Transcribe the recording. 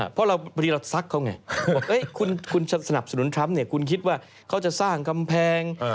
เพราะบางทีเราซักเขาไงว่าคุณสนับสนุนทรัมป์เนี่ยคุณคิดว่าเขาจะสร้างกำแพง